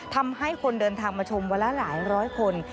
ทำให้คนเดินทางมาชมวันละหลายร้อยคน